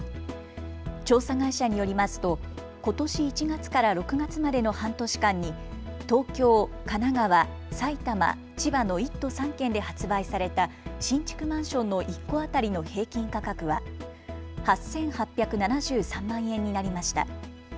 調査会社によりますとことし１月から６月までの半年間に東京、神奈川、埼玉、千葉の１都３県で発売された新築マンションの１戸当たりの平均価格は８８７３万円になりました。